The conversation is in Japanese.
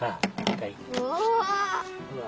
うわ。